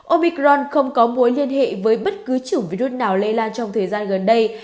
obicron không có mối liên hệ với bất cứ chủng virus nào lây lan trong thời gian gần đây